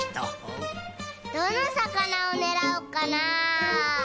どのさかなをねらおっかな？